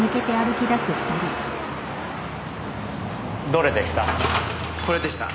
どれでした？